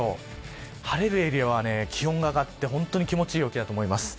晴れるエリアは気温が上がって本当に気持ちいい陽気です。